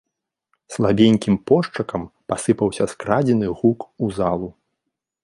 Слабенькім пошчакам пасыпаўся скрадзены гук у залу.